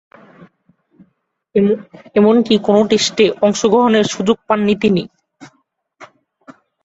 এমনকি কোন টেস্টে অংশগ্রহণের সুযোগ পাননি তিনি।